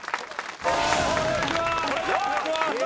お願いします。